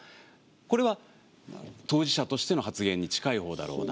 これは当事者としての発言に近いほうだろうなと。